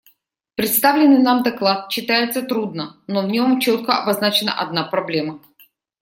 Представленный нам доклад читается трудно, но в нем четко обозначена одна проблема.